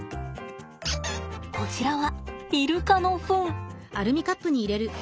こちらはイルカのフン。